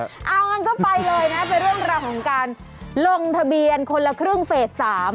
เอางั้นก็ไปเลยนะเป็นเรื่องราวของการลงทะเบียนคนละครึ่งเฟส๓